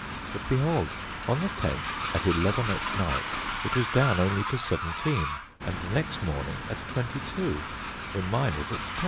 But, behold! on the 10th, at eleven at night, it was down only to 17, and the next morning at 22, when mine was at 10.